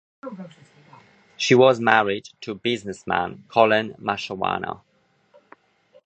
She was married to businessman Collen Mashawana.